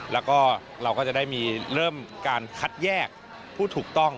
แล้วก็เราก็จะได้มีเริ่มการคัดแยกผู้ถูกต้อง